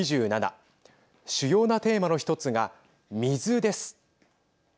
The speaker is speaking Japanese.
主要なテーマの１つが、水です。